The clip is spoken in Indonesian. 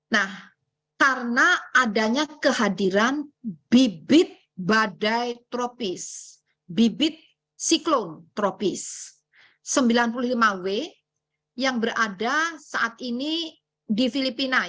nah karena adanya kehadiran bibit badai tropis bibit siklon tropis sembilan puluh lima w yang berada saat ini di filipina